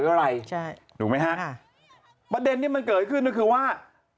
คืออะไรถูกไหมคะประเด็นที่มันเกิดขึ้นคือว่า